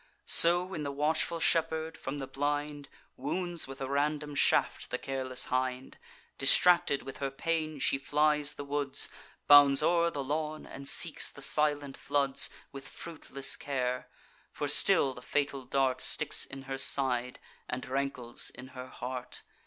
So when the watchful shepherd, from the blind, Wounds with a random shaft the careless hind, Distracted with her pain she flies the woods, Bounds o'er the lawn, and seeks the silent floods, With fruitless care; for still the fatal dart Sticks in her side, and rankles in her heart.